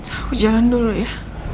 aku jalan dulu ya